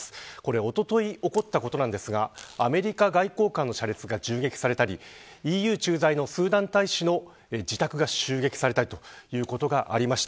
これ、おととい起こったことなんですがアメリカ外交官の車列が銃撃されたりＥＵ駐在のスーダン大使の自宅が襲撃されたりということがありました。